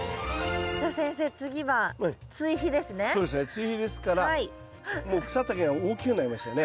追肥ですからもう草丈が大きくなりましたよね。